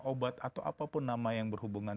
obat atau apapun nama yang berhubungan